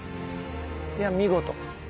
いや見事。